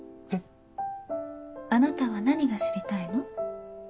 あなたは何が知りたいの？